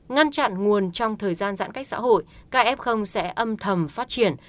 ngăn chặn nguồn trong thời gian giãn cách xã hội kf sẽ âm thầm phát triển